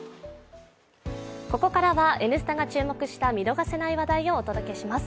ここからは「Ｎスタ」が注目した見逃せない話題をお伝えします。